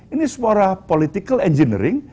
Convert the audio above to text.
ini sebuah political engineering